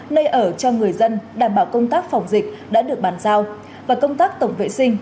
nơi ở cho người dân đảm bảo công tác phòng dịch đã được bàn giao và công tác tổng vệ sinh